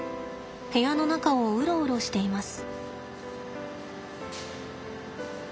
部屋の中をウロウロしています。